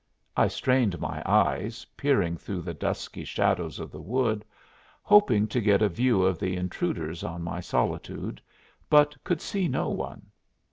I strained my eyes, peering through the dusky shadows of the wood, hoping to get a view of the intruders on my solitude, but could see no one.